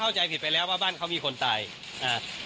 เข้าใจผิดไปแล้วว่าบ้านเขามีคนตายอ่า